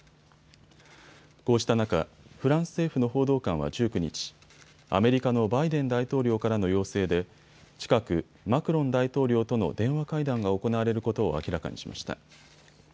こうした中、フランス政府の報道官は１９日、アメリカのバイデン大統領からの要請で近くマクロン大統領との電話会談が行われることを明らかにしました。